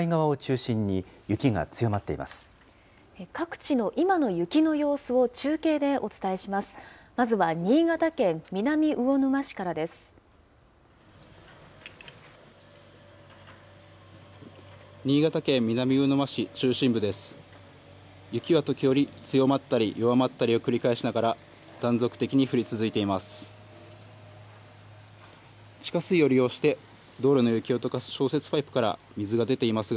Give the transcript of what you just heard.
雪は時折、強まったり、弱まったりを繰り返しながら、断続的に降り続いています。